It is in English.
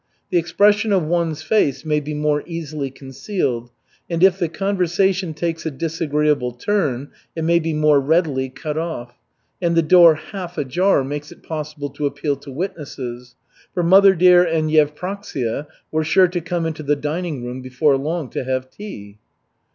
The expression of one's face may be more easily concealed, and if the conversation takes a disagreeable turn it may be more readily cut off, and the door half ajar makes it possible to appeal to witnesses; for mother dear and Yevpraksia were sure to come into the dining room before long to have tea.